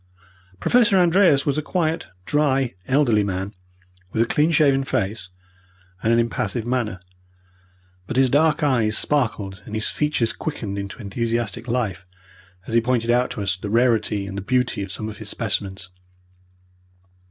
Professor Andreas was a quiet, dry, elderly man, with a clean shaven face and an impassive manner, but his dark eyes sparkled and his features quickened into enthusiastic life as he pointed out to us the rarity and the beauty of some of his specimens.